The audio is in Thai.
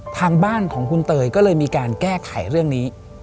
ทางบ้านของคุณเตยก็เลยมีการแก้ไขเรื่องนี้